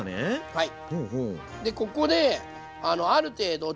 はい。